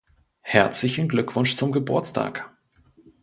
Herzlichen Glückwunsch zum Geburtstag